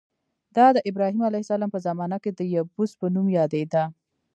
دا د ابراهیم علیه السلام په زمانه کې د یبوس په نوم یادېده.